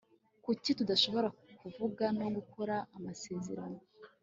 kuki tudashobora kuvuga no gukora amasezerano